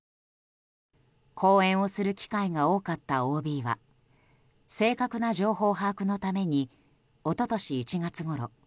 講演をする機会が多かったＯＢは正確な情報把握のために一昨年１月ごろ